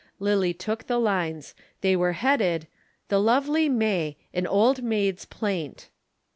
Lillie took the lines. They were headed THE LOVELY MAY AN OLD MAID'S PLAINT.